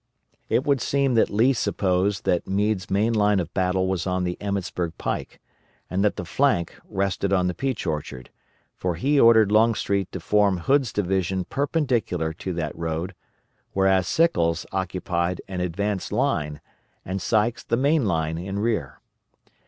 It would seem that Lee supposed that Meade's main line of battle was on the Emmetsburg pike, and that the flank rested on the Peach Orchard, for he ordered Longstreet to form Hood's division perpendicular to that road, whereas Sickles occupied an advanced line, and Sykes the main line in rear.